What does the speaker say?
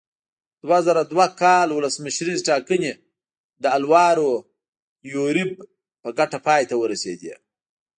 دوه زره دوه کال ولسمشریزې ټاکنې د الوارو یوریب په ګټه پای ته ورسېدې.